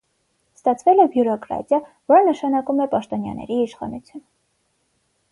Ստացվել է բյուրոկրատիա, որը նշանակում է պաշտոնյաների իշխանություն։